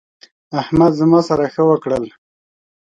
احمد زما سره ښه وکړل.